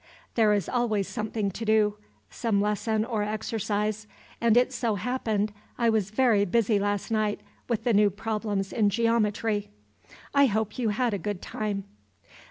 There is always something to do, some lesson or exercise, and it so happened, I was very busy last night with the new problems in geometry. I hope you had a good time."